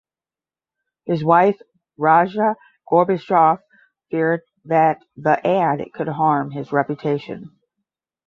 His wife Raisa Gorbachev feared that the ad could harm his reputation.